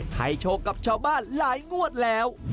โชคกับชาวบ้านหลายงวดแล้ว